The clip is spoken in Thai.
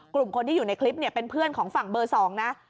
กลุ่มคนที่อยู่ในคลิปเนี่ยเป็นเพื่อนของฝั่งเบอร์๒นะ